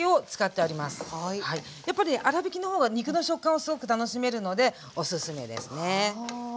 やっぱりね粗びきの方が肉の食感をすごく楽しめるのでおすすめですね。